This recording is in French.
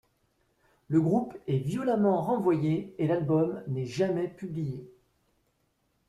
Le groupe est violemment renvoyé et l'album n'est jamais publié.